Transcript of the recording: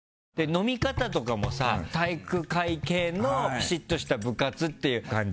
飲み方とかもさ、体育会系のピシッとした部活っていう感じ？